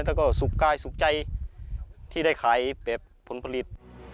และก็สุขใจที่ได้ขายเป็นผลผลิต